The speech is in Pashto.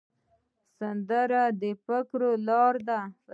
سندره د فکرونو لاره ده